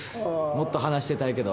もっと話してたいけど。